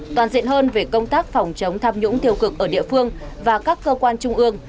toàn diện hơn về công tác phòng chống tham nhũng tiêu cực ở địa phương và các cơ quan trung ương